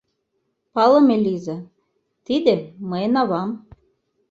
Палыме лийза, тиде — мыйын авам.